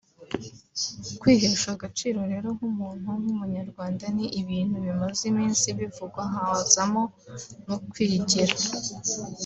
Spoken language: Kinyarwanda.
kwihesha agaciro rero nk’umuntu nk’umunyarwanda ni ibintu bimaze iminsi bivugwa hazamo no kwigira